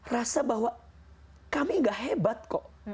rasa bahwa kami gak hebat kok